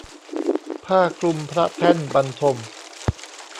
ผ้าคลุมพระแท่นบรรทม